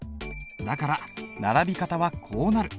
だから並び方はこうなる。